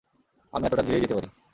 আমি এতটা ধীরেই যেতে পারি।